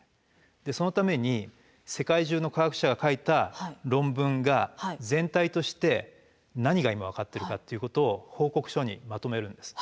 でそのために世界中の科学者が書いた論文が全体として何が今分かってるかっていうことを報告書にまとめるんです。